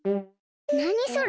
なにそれ？